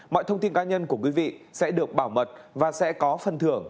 mọi thông tin cá nhân của quý vị sẽ được bảo mật và sẽ có phần thưởng